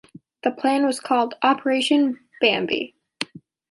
The plan was called "Operation Bambi".